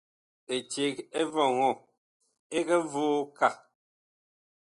Eceg ɛ vɔŋɔ ɛg voo kaa.